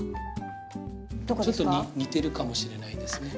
ちょっと似てるかもしれないですね。